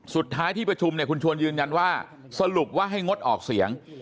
สุดท้ายที่ประชุมเนี่ยคุณชวนยืนยันว่าสรุปว่าให้งดออกเสียง